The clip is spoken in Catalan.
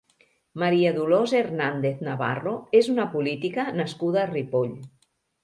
Maria Dolors Hernández Navarro és una política nascuda a Ripoll.